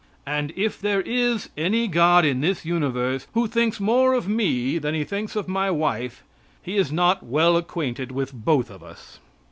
And if there is any God in this universe who thinks more of me than he thinks of my wife, he is not well acquainted with both of us.